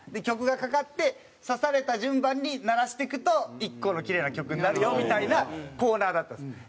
曲がかかってさされた順番に鳴らしていくと１個のキレイな曲になるよみたいなコーナーだったんです。